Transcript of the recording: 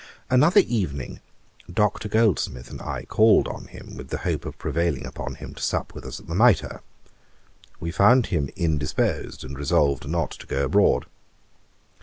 Another evening Dr. Goldsmith and I called on him, with the hope of prevailing on him to sup with us at the Mitre. We found him indisposed, and resolved not to go abroad.